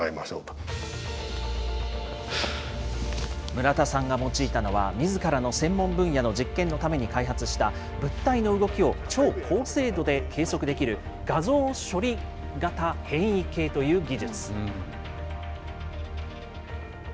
村田さんが用いたのは、みずからの専門分野の実験のために開発した物体の動きを超高精度で計測できる、画像処理型変位計という技術。